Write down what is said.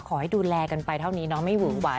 ขอให้ดูแลกันไปเท่านี้เนาะไม่หึงหวาย